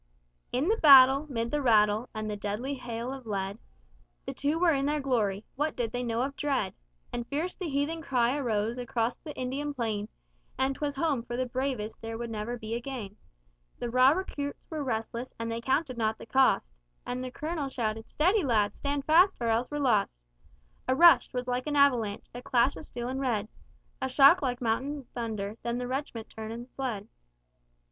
"In the battle, 'mid the rattle, and the deadly hail of lead, The two were in their glory What did they know of dread? And fierce the heathen cry arose across the Indian plain, And 'twas Home, for the bravest there would never be again, The raw recruits were restless, and they counted not the cost, And the Colonel shouted, 'Steady lads, stand fast, or else we're lost.' A rush! 'twas like an avalanche! a clash of steel and red! A shock like mountain thunder, then the reg'ment turned and fled.